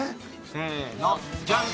せーのジャン！